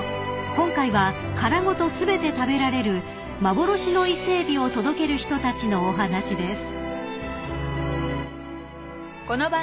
［今回は殻ごと全て食べられる幻の伊勢エビを届ける人たちのお話です］